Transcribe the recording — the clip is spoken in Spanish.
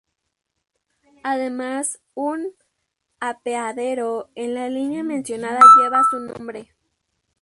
Además, un apeadero en la línea mencionada lleva su nombre.